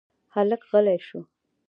هلک غلی شو.